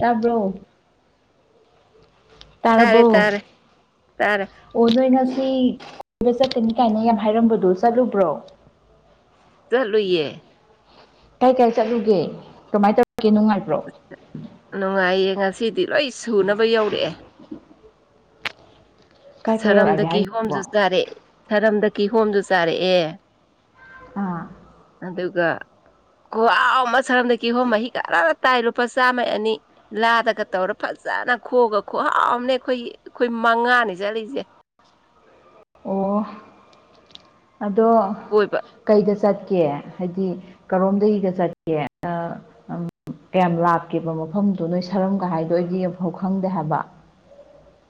ꯇꯥꯕ꯭ꯔꯣ ꯇꯥꯔꯦ ꯇꯥꯔꯕꯣ ꯇꯥꯔꯦ ꯇꯥꯔꯦ ꯑꯣ ꯅꯣꯏ ꯉꯁꯤ ꯀꯣꯏꯕ ꯆꯠꯀꯅꯤ ꯀꯥꯏꯅ ꯌꯥꯝ ꯍꯥꯏꯔꯝꯕꯗꯣ ꯆꯠꯂꯨꯕ꯭ꯔꯣ ꯆꯠꯂꯨꯏꯌꯦ ꯀꯥꯏ ꯀꯥꯏ ꯆꯠꯂꯨꯒꯦ ꯀꯃꯥꯏ ꯇꯧꯔꯛꯀꯦ ꯅꯨꯡꯉꯥꯏꯕ꯭ꯔꯣ ꯅꯨꯉꯥꯏꯌꯦ ꯉ ꯁꯤꯗꯤ ꯂꯣꯏ ꯁꯨꯅꯕ ꯌꯧꯔꯛꯑꯦ ꯀꯥꯏ ꯀꯥꯏ ꯁꯔꯝꯗ ꯌꯧꯔꯛꯑꯒꯦ ꯀꯤꯍꯣꯝꯖꯨ ꯍꯥꯏꯁꯤꯕꯣ ꯆꯥꯔꯦ ꯁꯥꯔꯝꯗ ꯀꯤꯍꯣꯝꯖꯨ ꯆꯥꯔꯛꯑꯦ ꯑꯥ ꯑꯗꯨꯒ ꯈꯨꯍꯥꯎ ꯑꯃ ꯁꯔꯝꯗ ꯀꯤꯍꯣꯝ ꯃꯍꯤꯒ ꯑꯔ ꯑꯔ ꯇꯥꯏ ꯂꯨꯄꯥ ꯆꯥꯝꯃꯩ ꯑꯅꯤ ꯂꯥꯗꯒ ꯇꯧꯔ ꯐꯖꯅ ꯈꯣꯛꯑꯒ ꯈꯨꯍꯥꯎꯃꯅꯦ ꯑꯈꯣꯏꯒꯤ ꯑꯈꯣꯏ ꯃꯉꯥꯅꯤ ꯆꯠꯂꯤꯖꯦ ꯑꯣ ꯑꯗꯣ ꯀꯣꯏꯕꯥ ꯀꯩꯗ ꯆꯠꯀꯦ ꯍꯥꯏꯗꯤ ꯀꯔꯣꯝꯗꯒꯤꯒ ꯆꯠꯀꯦ ꯑꯥ ꯑ ꯀꯌꯥꯝ ꯂꯥꯞꯀꯦꯕ ꯃꯐꯝꯗꯨ ꯅꯣꯏ ꯁꯔꯝꯒ ꯍꯥꯏꯗꯣ ꯑꯩꯗꯤ ꯑꯝꯐꯥꯎ ꯈꯪꯗꯦ ꯍꯥꯏꯕ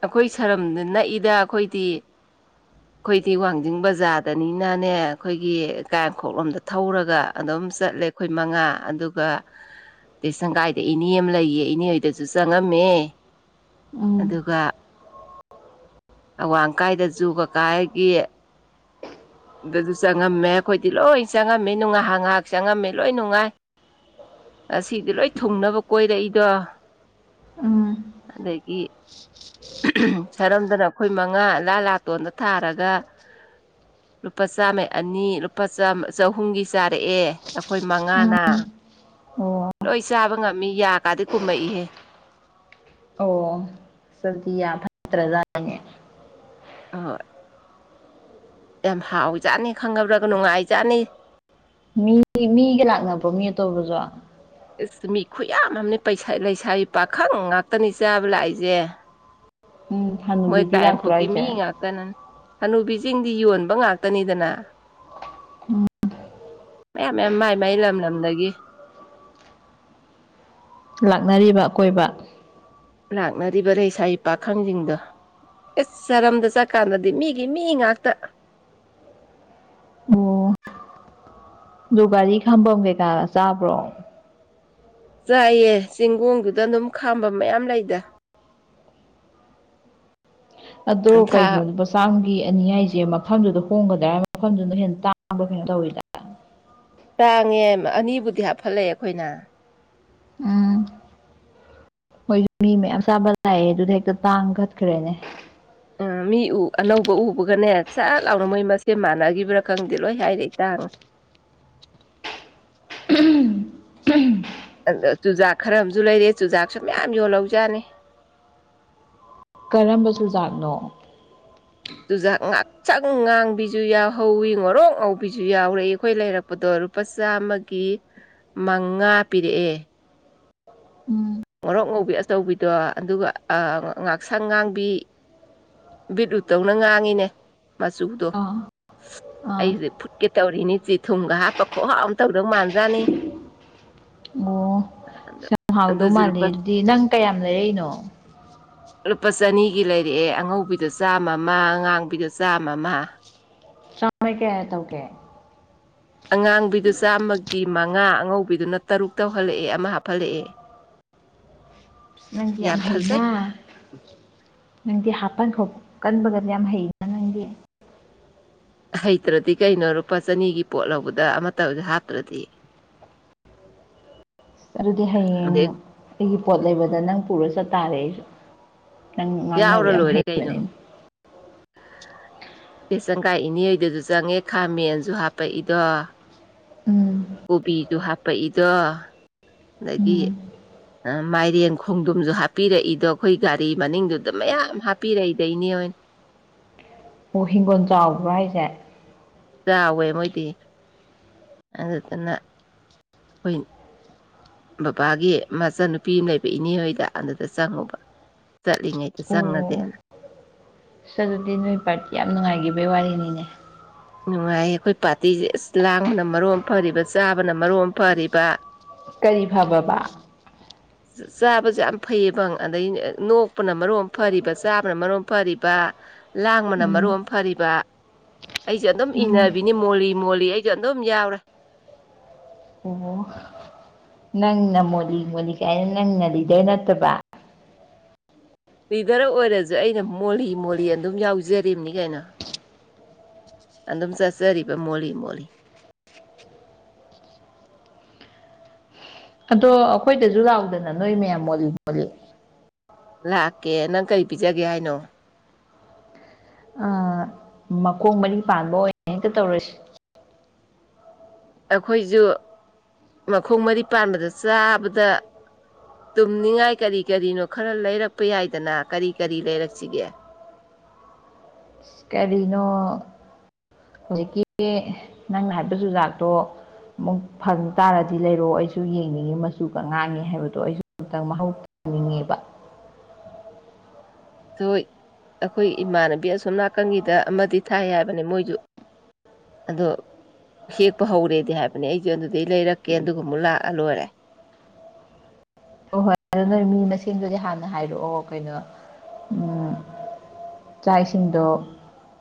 ꯑꯩꯈꯣꯏ ꯁꯔꯝꯗ ꯅꯛꯏꯗ ꯑꯩꯈꯣꯏꯗꯤ [inaudible] ꯑꯩꯈꯣꯏꯗꯤ ꯋꯥꯡꯖꯤꯡ ꯕꯖꯥꯔꯗꯅꯤꯅꯅꯦ ꯑꯩꯈꯣꯏꯒꯤ ꯀꯥꯏꯈꯣꯛꯂꯣꯝꯗ ꯊꯧꯔꯒ ꯑꯗꯨꯝ ꯆꯠꯂꯦ ꯑꯩꯈꯣꯏ ꯃꯉꯥ ꯑꯗꯨꯒ ꯑꯩ ꯁꯪꯒꯥꯏꯗ ꯏꯅꯦ ꯑꯃ ꯂꯩꯌꯦ ꯏꯅꯦ ꯍꯣꯏꯗꯁꯨ ꯆꯪꯉꯝꯃꯦ ꯎꯝ ꯒꯥ ꯑꯋꯥꯡ ꯀꯥꯏꯗꯁꯨꯨ ꯀꯀꯥꯌꯥꯏꯒꯤ ꯑꯗꯨꯁꯨ ꯆꯪꯉꯝꯃꯦ ꯑꯩꯈꯣꯏꯗꯤ ꯂꯣꯏ ꯆꯪꯉꯝꯃꯤ ꯅꯨꯡ ꯉꯥꯏꯍꯥꯛ ꯉꯥꯏꯍꯥꯛ ꯆꯪꯉꯝꯃꯤ ꯂꯣꯏ ꯅꯨꯡꯉꯥꯏ ꯑꯁꯤꯗꯤ ꯂꯣꯏ ꯊꯨꯡꯅꯕ ꯀꯣꯏꯔꯛꯏꯗꯣ ꯎꯝ ꯑꯗꯩꯒꯤ ꯁꯔꯝꯗꯅ ꯑꯩꯈꯣꯏ ꯃꯉꯥ ꯂꯥ ꯂꯥꯇꯣꯟꯗ ꯊꯥꯔꯒ ꯂꯨꯄꯥ ꯆꯥꯝꯃꯩ ꯑꯅꯤ ꯂꯨꯄꯥ ꯆꯝꯃꯥꯥ ꯆꯍꯨꯝꯒꯤ ꯆꯥꯔꯛꯑꯦ ꯑꯩꯈꯣꯏ ꯃꯉꯥꯅ [inaudible] ꯂꯣꯏ ꯆꯥꯕ ꯉꯝꯃꯤ ꯌꯥ ꯀꯥꯗꯤ ꯀꯨꯝꯃꯛꯏꯍꯦ ꯑꯧꯑꫭ [unintelligible] ꯌꯥ ꯐꯠꯇ꯭ꯔ ꯖꯥꯠꯅꯤ ꯑꯥꯍꯣꯏ ꯌꯥꯝ ꯍꯥꯎꯖꯥꯠꯅꯤ ꯈꯪꯉꯕ꯭ꯔꯒ ꯅꯨꯡꯉꯥꯏꯖꯥꯠꯅꯤ ꯃꯤ ꯃꯤꯒ ꯂꯥꯛꯅꯕ꯭ꯔꯣ ꯃꯤ ꯑꯇꫭꯞꯕꯖꯨ ꯑꯁ ꯃꯤ ꯈꯨꯌꯥꯝ ꯑꯃꯅꯤ ꯄꯩꯁꯥꯏ ꯂꯩꯁꯥꯏ ꯄꯥꯈꯪ ꯉꯥꯛꯇꯅꯤ ꯆꯥꯕ ꯂꯥꯛꯏꯁꯦ ꯎꯝ ꯃꯣꯏ ꯍꯅꯨꯕꯤꯗꯤ ꯂꯥꯛꯇ꯭ꯔꯣ ꯀꯥꯏꯟꯈꯣꯀꯤ ꯍꯥꯏꯁꯦ ꯃꯤ ꯀꯅꯥꯟ ꯍꯅꯨꯕꯤꯁꯤꯡꯗꯤ ꯌꯣꯟꯕ ꯉꯥꯛꯇꯅꯤꯗꯅ ꯃꯌꯥꯝ ꯃꯌꯥꯝ ꯃꯥꯏ ꯃꯥꯏ ꯂꯝ ꯂꯝꯗꯒꯤ ꯂꯥꯛꯅꯔꯤꯕ ꯀꯣꯏꯕ ꯂꯥꯛꯅꯔꯤꯕ ꯂꯩꯁꯥꯕꯤ ꯄꯥꯈꯪꯁꯤꯡꯗꯣ ꯏꯁ ꯆꯔꯝꯗ ꯆꯠꯀꯥꯟꯗꯗꯤ ꯃꯤꯒꯤ ꯃꯤ ꯉꯥꯛꯇ ꯑꯣ ꯑꯗꯨ ꯒꯥꯔꯤ ꯈꯥꯝꯕ ꯀꯩꯀꯥ ꯆꯥꯕ꯭ꯔꯣ ꯆꯥꯏꯌꯦ ꯆꯤꯡꯒꯣꯡꯗꯨꯗ ꯑꯗꯨꯝ ꯈꯥꯝꯕ ꯃꯌꯥꯝ ꯂꯩꯗ ꯑꯗꯣ ꯑꯝꯊꯥ ꯀꯩꯅꯣ ꯍꯛꯆꯥꯡꯒꯤ ꯑꯅꯤ ꯍꯥꯏꯁꯦ ꯃꯐꯝꯗꯨꯗ ꯍꯣꯡꯒꯗ꯭ꯔ ꯃꯐꯝꯗꯨꯅ ꯍꯦꯟꯅ ꯇꯥꯡꯕ ꯀꯩꯅꯣ ꯇꯧꯋꯤꯗ ꯇꯥꯡꯉꯦ ꯑꯅꯤꯕꯨꯗꯤ ꯍꯥꯞꯐꯠꯂꯛꯑꯦ ꯑꯩꯈꯣꯏꯅ ꯎꯝ ꯃꯣꯏꯁꯨ ꯃꯤ ꯃꯌꯥꯝ ꯆꯥꯕ ꯂꯥꯛꯑꯦ ꯑꯗꯨꯗ ꯍꯦꯛꯇ ꯇꯥꯡ ꯀꯠꯈ꯭ꯔꯦꯅꯦ ꯑꯥ ꯃꯤ ꯎ ꯑꯅꯧꯕ ꯎꯕꯒꯅꯦ ꯁꯠ ꯂꯥꯎꯅ ꯃꯣꯏ ꯃꯁꯦ ꯃꯥꯟꯅꯈꯤꯕ꯭ꯔꯥ ꯈꯪꯗꯦ ꯂꯣꯏ ꯍꯥꯏꯔꯦ ꯏꯇꯥꯡ [unintelligible] ꯑꯗ ꯆꯨꯖꯥꯛ ꯈꯔ ꯑꯃꯁꯝꯨ ꯂꯩꯔꯦ ꯆꯨꯖꯥꯛꯁꯨ ꯃꯌꯥꯝ ꯌꯣꯜꯍꯧꯖꯠꯅꯤ ꯀꯔꯝꯕ ꯆꯨꯖꯥꯛꯅꯣ ꯇꯨꯖ ꯉꯥꯛꯁꯪ ꯉꯥꯡꯕꯤꯁꯨ ꯌꯥꯎꯍꯧꯋꯤ ꯉꯣꯔꯣꯛ ꯉꯧꯕꯤꯁꯨ ꯌꯥꯎꯔꯦꯏ ꯑꯩꯈꯣꯏ ꯂꯩꯔꯛ ꯗꯣ ꯂꯨꯄꯥ ꯆꯥꯝꯃꯒꯤ ꯃꯉꯥ ꯄꯤꯔꯛꯑꯦ [inaudible] ꯃꯣꯔꯣꯛ ꯉꯧꯕꯤ ꯑꯆꯧꯕꯤꯗꯣ ꯑꯗꯨꯒ ꯑꯥ ꯉꯥꯛꯁꯪ ꯉꯥꯡꯕꯤ ꯕꯤꯠ ꯔꯨꯠꯇꯧꯅ ꯉꯥꯡꯉꯤꯅꯦ ꯃꯆꯨꯗꯣ ꯑꯥ ꯑꯥ ꯑꯩꯁꯦ ꯐꯨꯠꯀꯦ ꯇꯧꯔꯤꯅꯤ ꯆꯤ ꯊꯨꯝꯒ ꯍꯥꯞꯄ ꯈꯨꯍꯥꯑꯣ ꯑꯃ ꯇꯧꯗꯧ ꯃꯥꯟꯖꯥꯠꯅꯤ ꯑꯣ ꯁꯨꯝ ꯍꯥꯎꯗꯧ ꯑꯗꯨꯁꯨ ꯃꯥꯂꯦ ꯂꯨꯄꯥ ꯑꯗꯨꯗꯤ ꯅꯪ ꯀꯌꯥꯝ ꯂꯩꯔꯛꯏꯅꯣ ꯂꯨꯄꯥ ꯆꯅꯤꯒꯤ ꯂꯩꯔꯛꯑꯦ ꯑꯉꯧꯕꯤꯗ ꯆꯥꯝꯃ ꯑꯃ ꯑꯉꯥꯡꯕꯤꯗꯣ ꯆꯥꯝꯃ ꯑꯃ ꯅ‌ꯣꯏ ꯀꯌꯥ ꯇꯧꯒ‌ꯦ ꯑꯉꯥꯡꯕꯤꯗꯨ ꯆꯥꯝꯃꯒꯤ ꯃꯉꯥ ꯑꯉꯧꯕꯤꯗꯨꯅ ꯇꯔꯨꯛ ꯇꯧꯍꯜꯂꯑꯦ ꯑꯃ ꯍꯥꯞꯐꯜꯂꯑꯦ [unintelligible] ꯅꯪꯗꯤ ꯌꯥꯝ ꯍꯩꯅ ꯅꯪꯗꯤ ꯍꯥꯞꯄꯟ ꯈ‌ꯣꯠ ꯀꯟꯕꯒꯗꯤ ꯌꯥꯝ ꯍꯩ ꯍꯩꯇ꯭ꯔꯗꯤ ꯀꯩꯅꯣ ꯂꯨꯄꯥ ꯆꯅꯤꯒꯤ ꯄꯣꯠ ꯂꯧꯕꯗ ꯑꯃꯠꯇ ꯑꯣꯏꯁꯨ ꯍꯥꯞꯇ꯭ꯔꯗꯤ ꯑꯗꯨꯗꯤ ꯍꯌꯦꯡ ꯑꯗꯩ ꯑꯩꯒꯤ ꯄꯣꯠ ꯂꯩꯕꯗ ꯅꯪ ꯄꯨꯔ ꯆꯠꯇꯥꯥꯔꯦ ꯑꯩꯁꯨ ꯅꯪ ꯉꯥꯡꯅꯕ ꯌꯥꯎꯔ ꯌꯥꯝ ꯂꯣꯏꯔꯦ ꯀꯩꯅꯣ ꯍꯩꯕꯅꯤꯅ ꯄꯦꯁꯪꯒꯥꯏ ꯏꯅꯦꯞꯏꯗꯁꯨ ꯆꯪꯉꯦ ꯈꯥ ꯃꯦꯟꯁꯨ ꯍꯥꯞꯄꯛꯏꯗꯣ ꯎꯝ ꯀꯣꯕꯤꯗꯨ ꯍꯥꯞꯄꯛꯏꯗꯣ ꯑꯗꯒꯤ ꯎꯝ ꯃꯥꯏꯔꯦꯟ ꯈꯣꯡꯗꯨꯝꯁꯨ ꯍꯥꯞꯄꯤꯔꯛꯏꯗꯣ ꯑꯩꯈꯣꯏ ꯒꯥꯔꯤ ꯃꯅꯤꯡꯗꯨꯗ ꯃꯌꯥꯝ ꯍꯥꯞꯄꯤꯔꯛꯏꯗ ꯏꯅꯦ ꯍ‌ꯣꯏ ꯑꯣ ꯍꯤꯡꯒꯣꯟ ꯆꯥꯎꯕ꯭ꯔꯥ ꯍꯥꯏꯖ‌ꯦ ꯆꯥꯎꯋꯦ ꯃꯣꯏꯗꯤ ꯑꯗꯨꯗꯨꯅ [unintelligible] ꯕꯕꯥꯒꯤ ꯃꯆꯟꯅꯨꯄꯤ ꯑꯃ ꯂꯩꯕ ꯏꯅꯦ ꯍꯣꯏꯗ ꯑꯗꯨꯗ ꯆꯪꯉꯨꯕ ꯆꯠꯂꯤꯉꯩꯗ ꯑꯣ ꯆꯪꯉꯒ‌ꯦꯅ ꯑꯁ ꯑꯗꯨꯗꯤ ꯅꯣꯏ ꯄꯥꯔꯇꯤ ꯌꯥꯝ ꯅꯨꯡꯉꯥꯏꯈꯤꯕꯩ ꯋꯥꯔꯤꯅꯤꯅꯦ ꯅꯨꯡꯉꯥꯏꯌꯦ ꯑꯩꯈꯣꯏ ꯄꯥꯔꯇꯤꯖ‌ꯦ ꯑꯁ ꯂꯥꯡꯕꯅ ꯃꯔꯣꯟ ꯐꯔꯤꯕ ꯆꯥꯕꯅ ꯃꯔ‌ꯣꯟ ꯐꯔꯤꯕꯥ ꯀꯔꯤ ꯐꯕꯕꯥ ꯆ ꯆꯥꯕꯁ‌‌ꯦ ꯌꯥꯝ ꯐꯩꯌꯦꯕꯪ ꯑꯗꯩ ꯅꯣꯛꯄꯅ ꯃꯔ‌ꯣꯟ ꯐꯔꯤꯕ ꯆꯥꯕꯅ ꯃꯔ‌ꯣꯟ ꯐꯔꯤꯕꯥ ꯂꯥꯡꯕꯅꯥ ꯎꯝ ꯃꯔ‌ꯣꯝ ꯐꯔꯤꯕꯥ ꯑꯩꯁꯨ ꯑꯗꯨꯝ ꯎꯝ ꯏꯟꯅꯕꯤꯅꯤ ꯃꯣꯜꯂꯤ ꯃꯣꯜꯂꯤ ꯑꯩꯖꯨ ꯑꯗꯨꯝ ꯌꯥꯎꯔꯦ ꯑꯣ [unintelligible] ꯅꯪꯅ ꯃꯣꯂꯤ ꯃꯣꯂꯤ ꯀꯥꯏꯅ ꯅꯪꯅ ꯂꯤꯗꯔ ꯅꯠꯇꯕꯥ ꯂꯤꯗꯔ ꯑꯣꯏꯔꯖꯨ ꯑꯩꯅ ꯃꯣꯜꯂꯤ ꯃꯣꯜꯂꯤ ꯑꯗꯨꯝ ꯌꯥꯎꯖꯔꯤꯝꯅꯤ ꯀꯩꯅꯣ ꯑꯗꯨꯝ ꯆꯠꯆꯔꯤꯕ ꯃꯣꯜꯂꯤ ꯃꯣꯜꯂꯤ ꯑꯗꯣ ꯑꯩꯈꯣꯏꯗꯖꯨ ꯂꯥꯎꯗꯅ ꯅꯣꯏ ꯃꯌꯥꯝ ꯃꯣꯜꯂꯤ ꯃꯣꯜꯂꯤ ꯂꯥꯛꯀꯦ ꯅꯪ ꯀꯩ ꯄꯤꯖꯒꯦ ꯍꯥꯏꯅꯣ ꯑꯥ ꯃꯈꯣꯡ ꯃꯔꯤ ꯄꯥꯟꯕ ꯑꯣꯏꯅ ꯍꯦꯛꯇ ꯇꯧꯔꯁ ꯑꯩꯈꯣꯏꯖꯨ ꯃꯈꯣꯡ ꯃꯔꯤ ꯄꯥꯟꯕꯗ ꯆꯥꯕꯗ ꯇꯨꯝꯅꯤꯡꯉꯥꯏ ꯀꯔꯤ ꯀꯔꯤꯅꯣ ꯈꯔ ꯂꯩꯔꯛꯄ ꯌꯥꯏꯗꯅ ꯀꯔꯤ ꯀꯔꯤ ꯂꯩꯔꯛꯁꯤꯒꯦ ꯑꯁ ꯀꯔꯤꯅꯣ ꯍꯧꯖꯤꯛꯀꯤ ꯅꯪꯅ ꯍꯥꯏꯕ ꯆꯨꯖꯥꯛꯇꯣ ꯑꯃꯨꯛ ꯐꯪ ꯇꯥꯔꯗꯤ ꯂꯩꯔꯣ ꯑꯩꯖꯨ ꯌꯦꯡꯅꯤꯡꯉꯤ ꯃꯆꯨꯒ ꯉꯥꯡꯉꯤ ꯍꯥꯏꯕꯗꯣ ꯑꯩꯁꯨ ꯑꯝꯇꯪ ꯃꯍꯧ [unintelligible] ꯅꯤꯡꯉꯦꯕ ꯍꯣꯏ ꯑꯩꯈꯣꯏ ꯏꯃꯥꯟꯅꯕꯤ ꯑꯁꯣꯝ ꯅꯥꯀꯟꯒꯤꯗ ꯑꯃꯗꯤ ꯊꯥꯏ ꯍꯥꯏꯕꯅ‌ꯦ ꯃꯣꯏꯖꯨ ꯑꯗꯣ ꯍꯦꯛꯄ ꯍꯧꯔꯦꯗꯤ ꯍꯥꯏꯕꯅꯦ ꯑꯩꯖꯨ ꯑꯗꯨꯗꯩ ꯂꯩꯔꯛꯀꯦ ꯑꯗꯨꯒ ꯑꯃꯨꯛ ꯂꯥꯛꯑ ꯂꯣꯏꯔꯦ ꯑꯗꯨ ꯅꯣꯏ ꯃꯤ ꯃꯁꯤꯡꯗꯨꯗꯤ ꯍꯥꯟꯅ ꯍꯥꯏꯔꯑꯣ ꯀꯩꯅꯣ ꯎꯝ ꯆꯥꯛ ꯏꯁꯤꯡꯗꯣ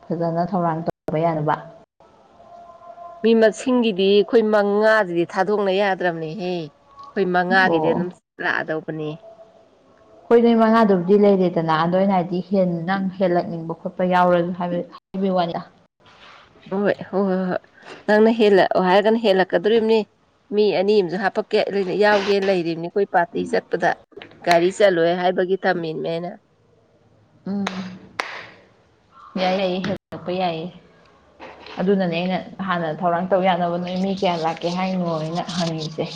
ꯐꯖꯅ ꯊꯧꯔꯥꯡ ꯇꯧꯕ ꯌꯥꯅꯕ ꯃꯤ ꯃꯁꯤꯡꯒꯤꯗꯤ ꯑꯩꯈꯣꯏ ꯃꯉꯥꯖꯤꯗꯤ ꯊꯥꯗꯣꯛꯅ ꯌꯥꯗ꯭ꯔꯝꯅꯦꯍꯦ ꯈꯣꯏ ꯃꯉꯥꯒꯤꯗꯤ ꯑꯣ ꯑꯗꯨꯝ ꯂꯥꯛꯑꯗꯧꯕꯅꯤ ꯈꯣꯏ ꯃꯤ ꯃꯉꯥꯗꯨꯕꯨꯗꯤ ꯂꯩꯔꯦꯗꯅ ꯑꯗꯨ ꯑꯩꯅ ꯍꯥꯏꯗꯤ ꯍꯦ ꯅꯪ ꯍꯦꯜꯂꯛꯅꯤꯡꯕ ꯈꯣꯠꯄ ꯌꯥꯎꯔꯖꯨ ꯍꯥꯏꯕꯩ [unintelligible] ꯋꯥꯅꯤꯗꯥ ꯍꯣꯏ ꯍꯣꯏ ꯍꯣꯏ ꯍꯣꯏ ꯅꯪꯅ ꯍꯦꯜꯂꯑꯣ ꯍꯥꯏꯔꯒꯅ ꯍꯦꯜꯂꯛꯀꯗꯣꯔꯤꯕꯅꯤ ꯃꯤ ꯑꯅꯤ ꯑꯝꯖꯨ ꯍꯥꯄꯀꯦ ꯌꯥꯎꯒꯦ ꯂꯩꯔꯤꯕꯅꯤ ꯑꯩꯈꯣꯏ ꯄꯥꯔꯇꯤ ꯆꯠꯄꯗ ꯒꯥꯔꯤ ꯆꯜꯂꯣꯏ ꯍꯥꯏꯕꯒꯤ ꯊꯝꯃꯤꯞꯃ‌ꯦ ꯑꯩꯅ ꯎꯝ ꯌꯥꯏ ꯌꯥꯏ ꯍꯂꯛꯄ ꯌꯥꯏꯌꯦ ꯑꯗꯨꯅꯅꯦ ꯑꯩꯅ ꯍꯥꯟꯅ ꯊꯧꯔꯥꯡ ꯇꯧ ꯌꯥꯅꯕ ꯅꯣꯏ ꯃꯤ ꯀꯌꯥ ꯂꯥꯛꯀꯦ ꯍꯥꯏꯔꯤꯅꯣ ꯑꯩꯅ ꯍꯪꯅꯤꯡꯤꯁꯦ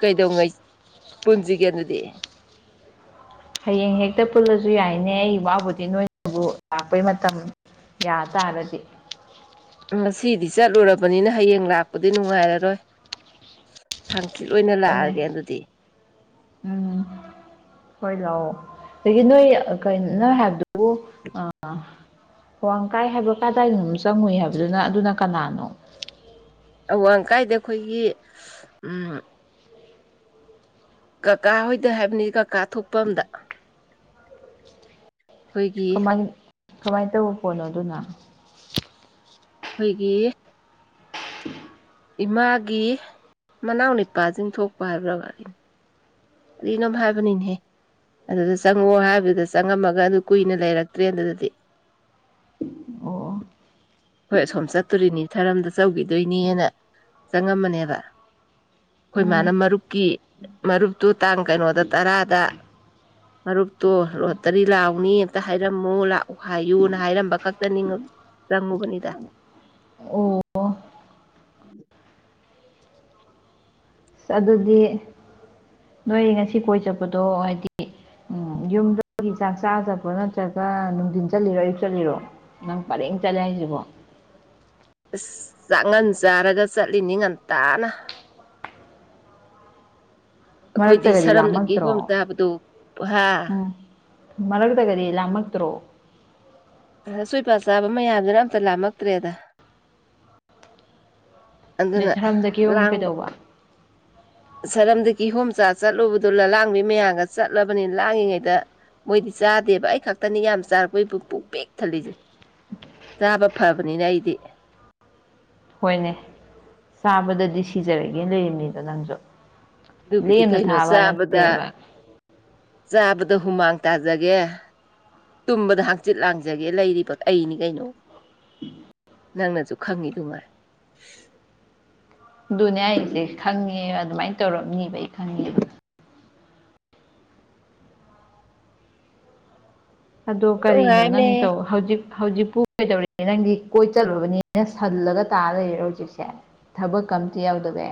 ꯀꯩꯗꯉꯩ ꯄꯨꯟꯁꯤꯒꯦ ꯑꯗꯨꯗꯤ ꯍꯌꯦꯡ ꯍꯦꯛꯇ ꯄꯨꯜꯂꯁꯨ ꯌꯥꯏꯅꯦ ꯑꯩ ꯋꯥꯕꯨꯗꯤ ꯅꯣꯏꯅꯕꯨ ꯅꯣꯏꯅꯕꯨ ꯂꯥꯛꯄꯩ ꯃꯇꯝ ꯌꯥ ꯇꯥꯔꯗꯤ ꯉꯁꯤꯗꯤ ꯆꯠꯂꯨꯔꯕꯅꯤꯅ ꯍꯌꯦꯡ ꯂꯥꯛꯄꯗꯤ ꯅꯨꯡꯉꯥꯏꯔꯔꯣꯏ ꯍꯥꯡꯆꯤꯠ ꯂꯣꯏꯅ ꯂꯥꯛꯑꯒꯦ ꯍꯣꯏꯅꯦ ꯑꯗꯨꯗꯤ ꯎꯝ ꯍꯣꯏ ꯂꯥꯛꯑꯣ ꯑꯗꯒꯤ ꯅꯣꯏ ꯀꯩꯅ ꯅꯪ ꯍꯥꯏꯕꯗꯨꯕꯨ ꯑ ꯑꯥꯋꯥꯡ ꯀꯥꯏ ꯍꯥꯏꯕ ꯀꯗꯥꯏꯅꯣ ꯆꯪꯉꯨꯏ ꯍꯥꯏꯕꯗꯨꯅ ꯑꯗꯨꯅ ꯀꯅꯥꯅꯣ ꯑꯋꯥꯡ ꯀꯥꯏꯗ ꯑꯩꯈꯣꯏꯒꯤ ꯎꯝ ꯀꯀꯥ ꯍꯣꯏꯗ ꯍꯥꯏꯕꯅꯤ ꯀꯀꯥ ꯊꯣꯛꯄ ꯑꯝꯗ ꯑꯩꯈꯣꯏꯒꯤ ꯀꯃꯥꯏ ꯀꯃꯥꯏꯅ ꯇꯧꯕ ꯄꯣꯠꯅꯣ ꯑꯗꯨꯅ ꯑꯩꯈꯣꯏꯒꯤ ꯏꯃꯥꯒꯤ ꯃꯅꯥꯎ ꯅꯨꯅꯤꯄꯥꯁꯤꯡ ꯊꯣꯛꯄ ꯍꯥꯏꯕ꯭ꯔꯥ ꯋꯥꯔꯤꯅꯤ ꯑꯗꯨꯅꯣꯝ ꯍꯥꯏꯕꯅꯤꯅꯦꯍꯦ ꯑꯗꯨꯗ ꯆꯪꯉꯛꯑꯣ ꯍꯥꯏꯕꯗꯨꯗ ꯆꯪꯉꯝꯃꯒ ꯑꯗꯨ ꯀꯨꯏꯅ ꯂꯩꯔꯛꯇ꯭ꯔꯦ ꯑꯗꯨꯗꯗꯤ ꯑꯣ ꯍꯣꯏ ꯑꯁꯣꯝ ꯆꯠꯇꯣꯔꯤꯅꯤ ꯊꯔꯝꯗ ꯆꯧꯈꯤꯗꯣꯏꯅꯤꯅ ꯆꯪꯉꯝꯕꯅꯦꯕ ꯑꯩꯈꯣꯏ ꯎꯝ ꯃꯥꯅ ꯃꯔꯨꯞꯀꯤ ꯃꯔꯨꯞꯇꯨ ꯇꯥꯡ ꯀꯩꯅꯣꯗ ꯇꯔꯥꯗ ꯃꯔꯨꯞꯇꯣ ꯔꯣꯠꯇꯔꯤ ꯂꯥꯛꯑꯣꯅꯤ ꯑꯝꯛꯇ ꯍꯥꯏꯔꯝꯃꯨ ꯂꯥꯛꯎ ꯍꯥꯏꯌꯨꯅ ꯍꯥꯏꯔꯝꯕ ꯈꯛꯇꯅꯤ ꯆꯪꯉꯨꯕꯅꯤꯗ ꯑꯣ ꯑꯁ ꯑꯗꯨꯗꯤ ꯅꯣꯏ ꯉꯁꯤ ꯀꯣꯏ ꯆꯠꯄꯗꯣ ꯍꯥꯏꯗꯤ ꯎꯝ ꯌꯨꯝꯗꯨꯒꯤ ꯆꯥꯛ ꯆꯥꯗꯕ꯭ꯔꯣ ꯅꯠꯇ꯭ꯔꯒ ꯅꯨꯡꯊꯤꯟ ꯆꯠꯂꯤꯔꯣ ꯑꯌꯨꯛ ꯆꯠꯂꯤꯔꯣ ꯅꯪ ꯄꯔꯦꯡ ꯆꯠꯂꯦ ꯍꯥꯏꯁꯤꯕꯣ ꯑꯁ ꯆꯥꯛꯉꯟ ꯆꯥꯔꯒ ꯆꯠꯂꯤꯅꯤ ꯉꯟꯇꯥꯅ ꯑꯩꯈꯣꯏꯗꯤ ꯃꯔꯛꯇꯒꯗꯤ ꯁꯔꯝꯗ ꯂꯥꯃꯛꯇ꯭ꯔꯣ ꯀꯤꯍꯣꯝ ꯆꯥꯕꯗꯣ ꯍꯥ ꯎꯝ ꯃꯔꯛꯇꯒꯗꯤ ꯂꯥꯝꯃꯛꯇ꯭ꯔꯣ ꯑ ꯁꯣꯏꯄꯥ ꯆꯥꯕ ꯃꯌꯥꯝꯗꯨꯅ ꯑꯝꯇ ꯂꯥꯝꯃꯛꯇ꯭ꯔꯦꯗ ꯑꯗꯩ ꯑꯗꯨꯅ ꯁꯔꯝꯗ ꯀꯤꯍꯣꯝ ꯂꯥꯡꯕ ꯀꯩꯗꯧꯕ ꯁꯔꯝꯗꯒꯤꯤ ꯍꯣꯝꯆꯥ ꯆꯠꯂꯨꯕꯗꯨ ꯂꯂꯥꯡꯕꯤ ꯃꯌꯥꯝꯒ ꯆꯠꯂꯕꯅꯤ ꯂꯥꯡꯂꯤꯉꯩꯗ ꯃꯣꯏꯗꯤ ꯆꯥꯗꯦꯕ ꯑꯩ ꯈꯛꯇꯅꯤ ꯌꯥꯝ ꯆꯥꯔꯛꯄꯩ ꯕꯨ ꯄꯨꯛ ꯄꯤꯛ ꯊꯜꯂꯤꯁꯦ ꯆꯥꯕ ꯐꯕꯅꯤꯅ ꯑꯩꯗꯤ ꯍꯣꯏꯅꯦ ꯆꯥꯕꯗꯗꯤ ꯁꯤꯖꯔꯒꯦ ꯂꯩꯝꯅꯤꯗꯣ ꯅꯪꯁꯨ ꯑꯗꯨꯕꯨꯗꯤ ꯂꯦꯝꯅ ꯀꯩꯅꯣ ꯊꯥꯕ ꯆꯥꯕꯗ ꯅꯠꯇꯦꯕ ꯆꯥꯕꯗ ꯍꯨꯃꯥꯡ ꯇꯥꯖꯒꯦ ꯇꯨꯝꯕꯗ ꯍꯥꯡꯆꯤꯠ ꯂꯥꯡꯖꯒꯦ ꯂꯩꯔꯤꯕ ꯄꯣꯠ ꯑꯩꯅꯤ ꯀꯩꯅꯣ [unintelligible] ꯅꯪꯅꯁꯨ ꯈꯪꯉꯤꯗꯨꯉꯥꯏ ꯑꯗꯨꯅꯦ ꯍꯥꯏꯁꯦ ꯈꯪꯉꯦ ꯑꯗꯨꯃꯥꯏꯅ ꯇꯧꯔꯝꯅꯤꯕ ꯑꯩ ꯈꯪꯉꯦꯕ ꯑꯗꯣ ꯀꯔꯤꯅꯣ ꯅꯪ ꯅꯨꯡꯉꯥꯏꯕꯅꯦꯍꯦ ꯇꯧ ꯍꯧꯖꯤꯛ ꯍꯧꯖꯤꯛꯄꯨ ꯀꯩꯗꯧꯔꯤꯒꯦ ꯅꯪꯗꯤ ꯀꯣꯏ ꯆꯠꯂꯨꯕꯅꯤꯅ ꯁꯜꯂꯒ ꯇꯥꯔ ꯂꯩꯔꯔꯣ ꯍꯧꯖꯤꯛꯁꯦ ꯊꯕꯛꯀꯥ ꯑꯝꯇ ꯌꯥꯎꯗꯕꯤ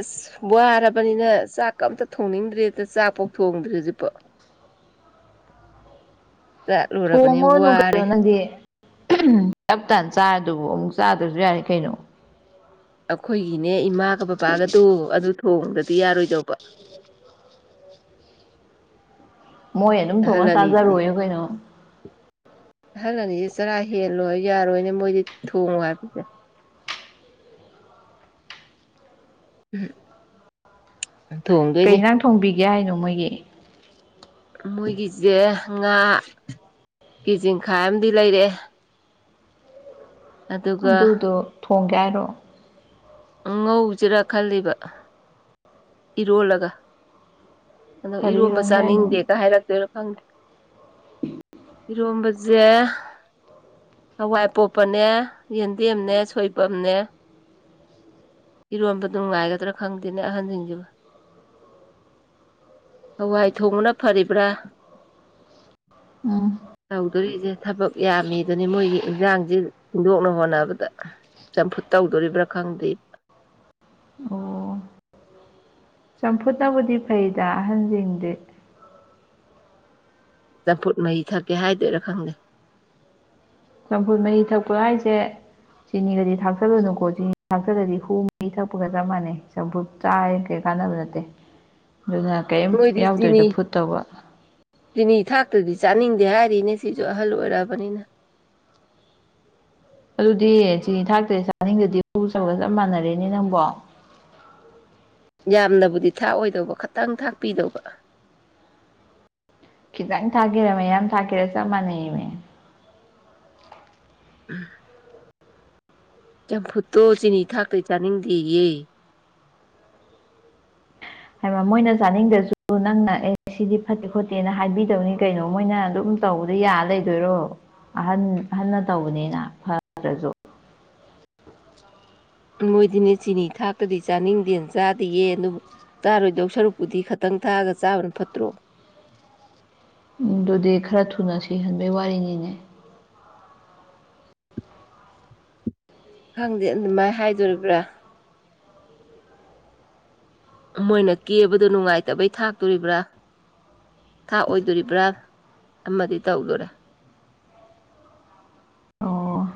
ꯑꯁ ꯋꯥꯔꯕꯅꯤꯅ ꯆꯥꯛ ꯑ ꯑꯃꯇ ꯊꯣꯡꯅꯤꯡꯗ꯭ꯔꯦꯗ ꯆꯥꯛꯐꯧ ꯊꯣꯡꯗ꯭ꯔꯤ ꯍꯧꯖꯤꯛꯄꯥꯎ ꯆꯠꯂꯨꯔꯕꯅꯤ ꯊꯣꯡꯉꯨꯔꯅꯨ ꯋꯥꯔꯦ ꯀꯩꯅꯣ ꯅꯪꯗꯤ ꯇꯞꯇꯥꯥꯅ ꯆꯥꯔ ꯑꯗꯨꯕꯨ ꯑꯃꯨꯛ ꯆꯥꯗ꯭ꯔꯁꯨ ꯌꯔꯦ ꯀꯩꯅꯣ ꯑꯩꯈꯣꯏꯒꯤꯅꯦ ꯏꯃꯥꯒ ꯕꯕꯥꯒꯗꯣ ꯑꯗꯨ ꯊꯣꯡꯗꯔꯗꯤ ꯌꯥꯔꯣꯏꯗꯧꯕ ꯃꯣꯏ ꯑꯗꯨꯝ ꯊꯣꯡꯉ ꯑꯍꯜ ꯑꯅꯤꯁꯤꯗꯤ ꯆꯥꯖꯔꯣꯌꯣ ꯀꯩꯅꯣ ꯑꯍꯜ ꯑꯅꯤꯁꯦ ꯆꯔꯥ ꯍꯦꯜꯂꯣꯏ ꯌꯥꯔꯣꯏꯅꯦ ꯃꯣꯏꯗꯤ ꯊꯣꯡꯉꯣ ꯍꯥꯏꯕꯁꯦ ꯎꯝ ꯀꯩ ꯊꯣꯡꯗꯣꯏꯅꯦ ꯏꯟꯖꯥꯡ ꯊꯣꯡꯕꯤꯒꯦ ꯍꯥꯏꯅꯣ ꯃꯣꯏꯒꯤ ꯃꯣꯏꯒꯤꯁꯦ ꯉꯥ ꯀꯦꯖꯤ ꯃꯈꯥꯏ ꯑꯃꯗꯤ ꯂꯩꯔꯛꯑꯦ ꯑꯗꯨꯒ ꯑꯗꯨꯗꯣ ꯊꯣꯡꯒꯦ ꯍꯥꯏꯔꯣ ꯉꯧꯁꯤꯔꯥ ꯈꯜꯂꯤꯕ ꯏꯔꯣꯜꯂꯒ ꯑꯗꯣ ꯀꯔꯤ ꯏꯔꯣꯝꯕ ꯏꯔꯣꯟꯒꯦ ꯍꯥꯏꯅꯣ ꯆꯥꯅꯤꯡꯗꯦꯒ ꯍꯥꯏꯔꯛꯇꯣꯏꯔꯣ ꯈꯪꯗꯦ꯫ ꯏꯔꯣꯝꯕꯁꯦ ꯍꯋꯥꯏ ꯑꯄꯣꯞꯄꯅꯦ ꯌꯦꯟꯗꯦꯝꯅꯦ ꯁꯣꯏꯚꯝꯅꯦ ꯏꯔꯣꯟꯕꯗꫭ ꯅꯨꯡꯉꯥꯏꯒꯗ꯭ꯔꯥ ꯈꯪꯗꯦꯅꯦ ꯑꯍꯟꯁꯤꯡꯁꯤꯕꯨ ꯍꯋꯥꯏ ꯊꯣꯡꯕꯅ ꯐꯔꯤꯕ꯭ꯔꯥ꯫ ꯎꯝ꯫ ꯇꯧꯗꯣꯔꯤꯁꯦ ꯊꯕꯛ ꯌꯥꯝꯃꯤꯗꯨꯅꯤ ꯃꯣꯏꯒꯤ ꯏꯟꯖꯥꯡꯁꯦ ꯊꯤꯟꯗꯣꯛꯅ ꯍꯣꯠꯅꯕꯗ ꯆꯝꯐꯨꯠ ꯇꯧꯗꯣꯔꯤꯕ꯭ꯔꯥ ꯈꯪꯗꯦ꯫ ꯑꯣ ꯆꯝꯐꯨꯠꯅꯕꯨꯗꯤ ꯐꯩꯗ ꯑꯍꯟꯁꯤꯡꯗꯤ ꯆꯝꯐꯨꯠ ꯃꯍꯤ ꯊꯛꯀꯦ ꯍꯥꯏꯗꯣꯏꯔꯥ ꯈꯪꯗꯦ꯫ ꯆꯝꯐꯨꯠ ꯃꯍꯤ ꯊꯛꯄ ꯍꯥꯏꯁꯦ ꯆꯤꯅꯤꯒꯗꯤ ꯊꯥꯛꯆꯜꯂꯨꯅꯨꯀꯣ ꯆꯤꯅꯤ ꯊꯥꯛꯆꯜꯂꯗꯤ ꯍꯨ ꯃꯤ ꯊꯛꯄꯒ ꯆꯞ ꯃꯥꯟꯅꯩ ꯆꯝꯐꯨꯠ ꯆꯥꯔꯤꯈꯩ ꯀꯥꯟꯅꯕ ꯅꯠꯇꯦ ꯑꯗꯨꯅ ꯀꯔꯤꯝ ꯃꯣꯏꯗꯤ ꯆꯤꯅꯤ ꯌꯥꯎꯗꯕꯤꯗ ꯐꯨꯠ ꯇꯧꯕ ꯆꯤꯅꯤ ꯊꯥꯛꯇꯗꯤ ꯆꯥꯅꯤꯡꯗꯦ ꯍꯥꯏꯔꯤꯅꯦ ꯁꯤꯁꯨ ꯑꯍꯜ ꯑꯣꯏꯔꯛ ꯑꯕꯥꯅꯤꯅ ꯑꯗꯨꯗꯤ ꯆꯤꯅꯤ ꯊꯥꯛꯇ ꯆꯥꯅꯤꯡꯗꯗꯤ ꯍꯨ ꯁꯧꯕꯒ ꯆꯞ ꯃꯥꯟꯅꯔꯦꯅꯦ ꯅꯪꯕꯣ ꯌꯥꯝꯅꯕꯨꯗꯤ ꯊꯥꯛꯑꯣꯏꯗꯧꯕ ꯈꯥꯇꯪ ꯊꯥꯛꯄꯤꯗꯧꯕ ꯈꯤꯇꯪ ꯊꯥꯛꯀꯦꯔꯥ ꯃꯌꯥꯝ ꯊꯥꯛꯀꯦꯔꯥ ꯆꯞ ꯃꯥꯟꯅꯩꯃꯦ [inaudible] ꯆꯝꯐꯨꯠꯇꯣ ꯆꯤꯅꯤ ꯊꯥꯛꯇ꯭ꯔꯥꯗꯤ ꯆꯥꯅꯤꯡꯗꯦꯌꯦ꯫ ꯍꯥꯏꯕ ꯃꯣꯏꯅ ꯆꯥꯅꯤꯡꯗ꯭ꯔꯁꯨ ꯅꯪꯅ ꯑꯦ ꯁꯤꯗꯤ ꯐꯠꯇꯦ ꯈꯣꯠꯇꯦꯅ ꯍꯥꯏꯕꯤꯗꯧꯅꯤ ꯀꯩꯅꯣ ꯃꯣꯏꯅ ꯑꯗꯨꯝ ꯇꯧꯕꯗꯤ ꯌꯥ ꯂꯩꯗꯣꯏꯔꯣ ꯑꯍꯟ ꯑꯍꯟꯅ ꯇꯧꯕꯅꯤꯅ ꯐꯠꯇ꯭ꯔꯁꯨ ꯃꯣꯏꯗꯤꯅꯦ ꯆꯤꯅꯤ ꯊꯥꯛꯇꯔꯗꯤ ꯆꯥꯅꯤꯡꯗꯦꯅ ꯆꯥꯗꯦꯌꯦ ꯑꯗꯨꯕꯨ ꯆꯥꯔꯣꯏꯗꯧ ꯁꯔꯨꯛꯄꯨꯗꯤ ꯈꯥꯇꯪ ꯊꯥꯛꯑꯒ ꯆꯥꯕꯅ ꯐꯠꯇ꯭ꯔꯣ ꯑꯗꯨꯗꯤ ꯈꯔ ꯊꯨꯅ ꯁꯤꯍꯟꯕꯩ ꯋꯥꯔꯤꯅꯤꯅꯦ꯫ ꯈꯪꯗꯦ ꯑꯗꯨꯃꯥꯏ ꯍꯥꯏꯗꯣꯔꯤꯕ꯭ꯔꯥ ꯃꯣꯏꯅ ꯀꯦꯕꯗꯣ ꯅꯨꯡꯉꯥꯏꯇꯕꯩ ꯊꯥꯛꯇꯣꯔꯤꯕ꯭ꯔꯥ ꯊꯥꯛ ꯑꯣꯏꯗꯣꯔꯤꯕ꯭ꯔꯥ ꯑꯃꯗꯤ ꯇꯧꯗꫭꯔꯦ꯫ ꯑꯣ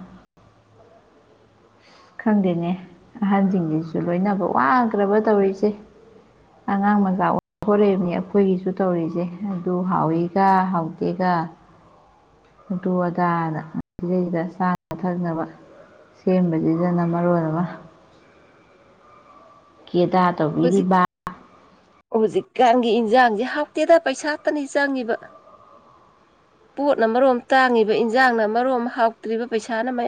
ꯈꯪꯗꯦꯅꯦ ꯑꯍꯟꯁꯤꯡꯁꯤꯁꯨ ꯂꯣꯏꯅꯕ ꯋꯥꯈ꯭ꯔꯕ ꯇꯧꯔꯤꯁꯦ ꯑꯉꯥꯡ ꯃꯆꯥ ꯑꯣꯟ ꯈꯣꯠꯂꯛꯏꯕꯅꯤ ꯑꯩꯈꯣꯏꯒꯤꯁꯨ ꯇꯧꯔꯤꯁꯦ ꯑꯗꯨ ꯍꯥꯎꯏꯒ ꯍꯥꯎꯗꯦꯒ [inaudible] ꯑꯗꯨ ꯑꯗꯥ ꯍꯥꯏꯅ ꯁꯤꯗꯩꯁꯤꯗ ꯆꯥꯅ ꯊꯛꯅꯕ ꯁꯦꯝꯕꯁꯤ ꯁꯤꯗꯅꯥ ꯃꯔꯣꯟ ꯑꯃ ꯀꯦꯗꯥꯠ ꯍꯧꯖꯤꯛ ꯍꯧꯖꯤꯛꯀꯥꯟꯒꯤ ꯏꯟꯖꯥꯡꯁꯦ ꯍꯥꯎꯇꯦꯗ ꯄꯩꯁꯥꯇꯅꯤ ꯆꯪꯉꯤꯕ꯫ ꯄꯣꯠꯅ ꯃꯔꯣꯝ ꯇꯥꯡꯉꯤꯕ ꯏꯟꯖꯥꯡꯅ ꯃꯔꯣꯝ ꯍꯥꯎꯇ꯭ꯔꯤꯕ ꯄꯩꯁꯥꯅ ꯃꯌꯥꯝ꯫